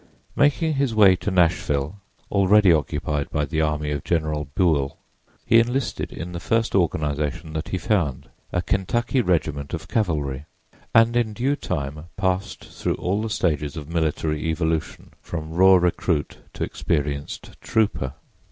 Making his way to Nashville, already occupied by the Army of General Buell, he enlisted in the first organization that he found, a Kentucky regiment of cavalry, and in due time passed through all the stages of military evolution from raw recruit to experienced trooper.